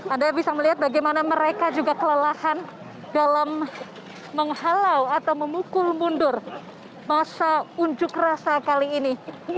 anda bisa melihat bagaimana mereka juga kelelahan dalam menghalau atau memukul mundur masa unjuk rasa kali ini